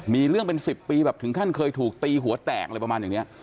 มีเรื่องเป็น๑๐ปีแบบถึงขั้นเคยถูกตีหัวแตกอะไรประมาณอย่างนี้